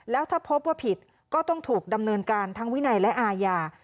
แล้วถ้าพบว่าผิดก็ต้องถูกดำเนินการทั้งวินัยและอาญา